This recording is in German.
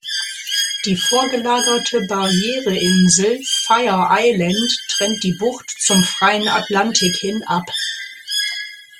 Die vorgelagerte Barriereinsel Fire Island trennt die Bucht zum freien Atlantik hin ab.